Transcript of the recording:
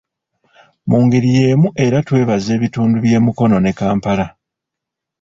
Mu ngeri y’emu era twebaza ebitundu by’e Mukono ne Kampala.